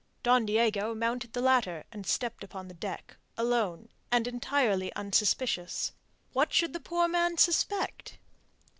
Don Diego mounted the ladder and stepped upon the deck, alone, and entirely unsuspicious. What should the poor man suspect?